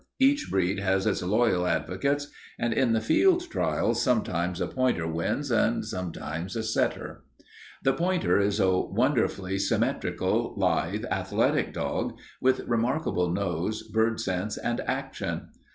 Each breed has its loyal advocates, and at the field trials sometimes a pointer wins and sometimes a setter. "The pointer is a wonderfully symmetrical, lithe, athletic dog, with remarkable nose, bird sense, and action.